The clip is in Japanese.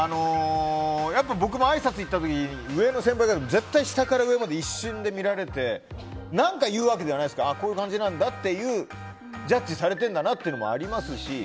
僕もあいさつ行った時に上の先輩が下から上まで一瞬で見られて、何か言うわけじゃないですけどこういう感じなんだっていうジャッジされてるんだなというのもありますし。